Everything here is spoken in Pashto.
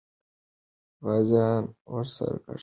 غازیان ورسره ګډ سول.